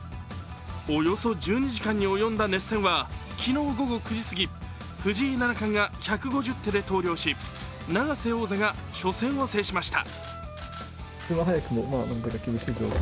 およそ１２時間に及んだ熱戦は昨日午後９時すぎ藤井七冠が１５０手で投了し、永瀬王座が初戦を制しました。